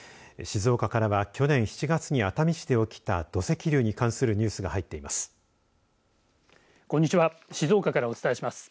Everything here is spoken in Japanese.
静岡からは去年７月に熱海市で起きた土石流に関するニュースが入っています。